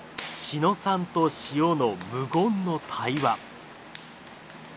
志野さんと塩の無言の対話。